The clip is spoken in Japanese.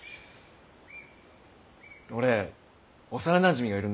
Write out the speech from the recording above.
俺幼なじみがいるんですよ。